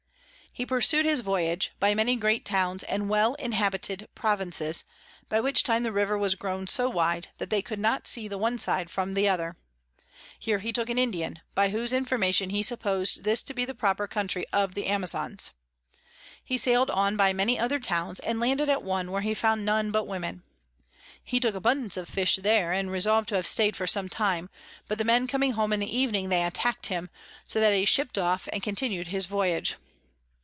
He pursu'd his Voyage by many great Towns and well inhabited Provinces, by which time the River was grown so wide, that they could not see the one side from the other. Here he took an Indian, by whose Information he suppos'd this to be the proper Country of the Amazons. He sail'd on by many other Towns, and landed at one, where he found none but Women. He took abundance of Fish there, and resolv'd to have staid for some time; but the Men coming home in the Evening, they attack'd him, so that he ship'd off, and continu'd his Voyage.